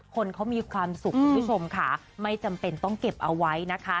คนเขามีความสุขคุณผู้ชมค่ะไม่จำเป็นต้องเก็บเอาไว้นะคะ